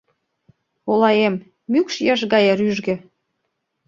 Олаэм, мӱкш еш гае рӱжге.